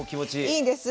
いいです。